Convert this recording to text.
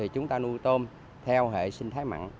chúng ta nuôi tôm theo hệ sinh thái mặn